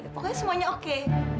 pokoknya semuanya oke